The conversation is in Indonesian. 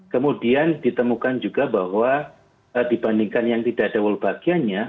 kemudian ditemukan juga bahwa dibandingkan yang tidak ada wolbachianya